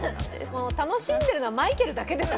もう楽しんでるのはマイケルだけですよ。